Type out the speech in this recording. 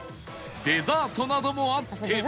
デザートなどもあって